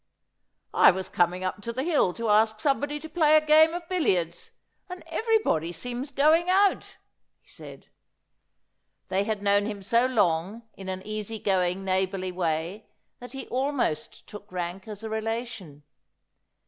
' I was coming up to the Hill to ask somebody to play a game of billiards, and everybody seems going out,' he said. They had known him so long in an easy going neighbourly way that he almost took rank as a relation.